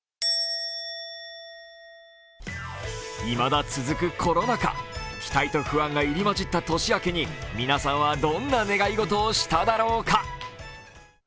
いまだ続くコロナ禍、期待と不安が入り交じった年明けに皆さんは、どんな願い事をしただろうか。